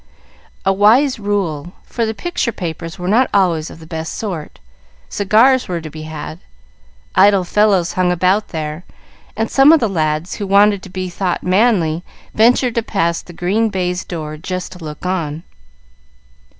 A wise rule, for the picture papers were not always of the best sort; cigars were to be had; idle fellows hung about there, and some of the lads, who wanted to be thought manly, ventured to pass the green baize door "just to look on."